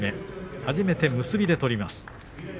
初めて結びで取ります。